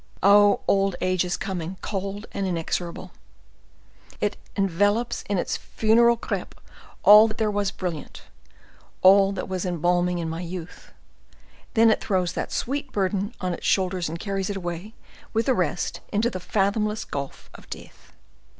Oh, old age is coming, cold and inexorable; it envelopes in its funeral crepe all that was brilliant, all that was embalming in my youth; then it throws that sweet burthen on its shoulders and carries it away with the rest into the fathomless gulf of death."